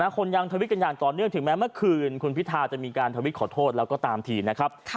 คนยังทวิตกันอย่างต่อเนื่องถึงแม้เมื่อคืนคุณพิธาจะมีการทวิตขอโทษแล้วก็ตามทีนะครับ